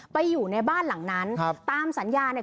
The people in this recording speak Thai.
อยู่ในบ้านหลังนั้นครับตามสัญญาเนี่ย